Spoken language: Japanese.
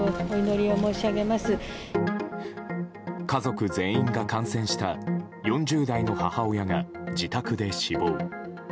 家族全員が感染した４０代の母親が自宅で死亡。